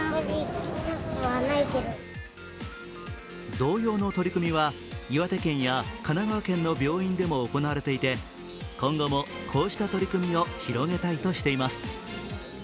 同様の取り組みは岩手県や神奈川県の病院でも行われていて今後もこうした取り組みを広げたいとしています。